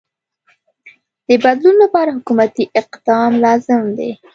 د بدلون لپاره حکومتی اقدام لازم دی.